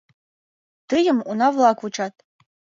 Тыйым уна-влак вучат.